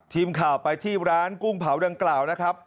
ทีมข่าวไปที่ร้านกุ้งเผาดังกล่าวนะครับ